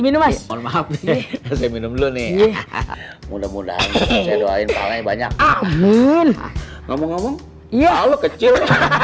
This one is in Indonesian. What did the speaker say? minum minum nih mudah mudahan banyak ngomong ngomong kecil